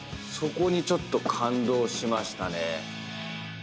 そこにちょっと感動しましたね。